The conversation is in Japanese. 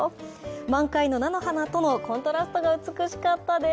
満開の菜の花とのコントラストが美しかったです。